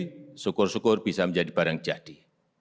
jadi syukur syukur bisa menjadi barang jadi